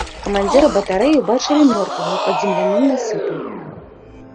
Камандзіра батарэі ўбачылі мёртвага пад земляным насыпам.